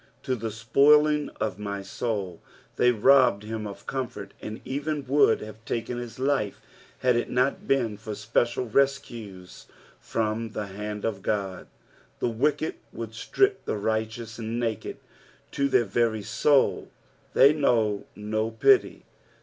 " To the tpoiling of my »ov/." Tliey robbed him of comfort, and even would have taken hia fife had it not been for special rescues from the hand of God. The wicked would strip the righteous naked to their very soul : they know no pity.